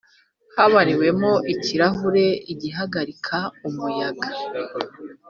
habariwemo ikirahuri igihagarika muyaga